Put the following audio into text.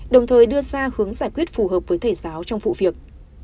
đồng thời đưa ra hướng giải quyết phù hợp với thầy giáo trong vụ việc